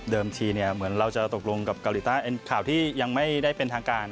ทีเหมือนเราจะตกลงกับเกาหลีใต้เป็นข่าวที่ยังไม่ได้เป็นทางการ